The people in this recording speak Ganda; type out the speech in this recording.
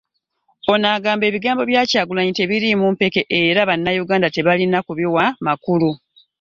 Ono agamba, ebigambo bya Kyagulanyi tebiriimu mpeke era bannayuganda tebalina kubiwa makulu.